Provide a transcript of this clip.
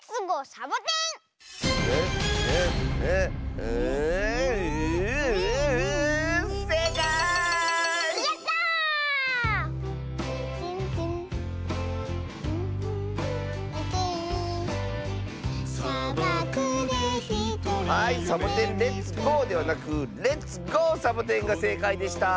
サボテン」がせいかいでした。